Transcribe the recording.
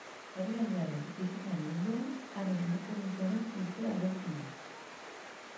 Herrialdearen izenaren ondoan haren independentziaren urtea agertzen da.